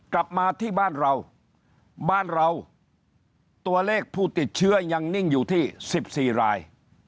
กลับมาที่บ้านเราบ้านเราตัวเลขผู้ติดเชื้อยังนิ่งอยู่ที่๑๔ราย